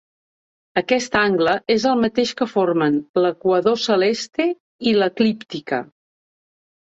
Aquest angle és el mateix que formen l'equador celeste i l'eclíptica.